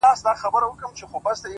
هر منزل له استقامت سره نږدې کېږي,